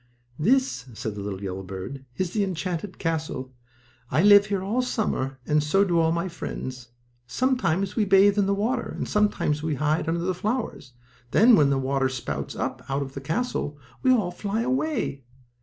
"This," said the little yellow bird, "is the enchanted castle. I live here all summer, and so do all my friends. Sometimes we bathe in the water, and sometimes we hide under the flowers. Then, when the water spouts up out of the top of the castle we all fly away."